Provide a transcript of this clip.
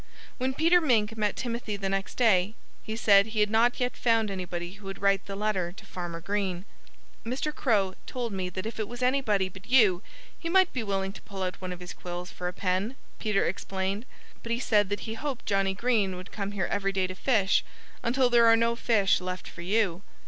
When Peter Mink met Timothy the next day he said he had not yet found anybody who would write the letter to Farmer Green. "Mr. Crow told me that if it was anybody but you he might be willing to pull out one of his quills for a pen," Peter explained. "But he said that he hoped Johnnie Green would come here every day to fish, until there are no fish left for you."